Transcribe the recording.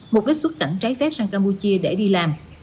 mục đích xuất cảnh trái phép sang campuchia để đi làm